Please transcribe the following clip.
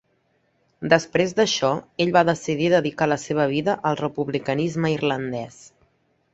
Després d'això, ell va decidir dedicar la seva vida al republicanisme irlandès.